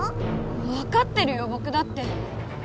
わかってるよぼくだって！